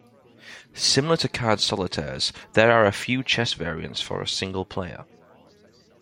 Similar to card solitaires, there are a few chess variants for a single player.